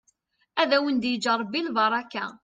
Ad awen-d-yeǧǧ ṛebbi lbaṛaka.